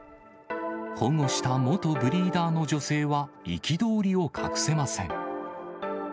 保護した元ブリーダーの女性は、憤りを隠せません。